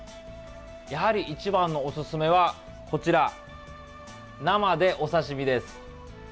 やはり一番のおすすめはこちら生でお刺身です。